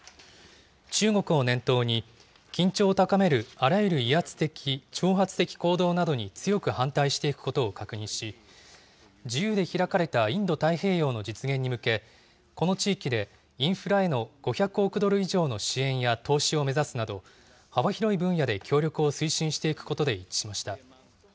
中国を念頭に、緊張を高めるあらゆる威圧的、挑発的行動などに強く反対していくことを確認し、自由で開かれたインド太平洋の実現に向け、この地域でインフラへの５００億ドル以上の支援や、投資を目指すなど、幅広い分野で協力を推進していくことで一致しました。